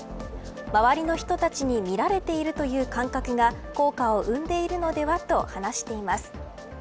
周りの人たちに見られているという感覚が効果を生んでいるのではと話しています。